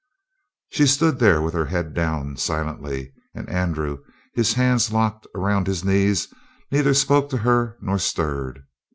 She stood there with her head down, silently; and Andrew, his hands locked around his knees, neither spoke to her nor stirred.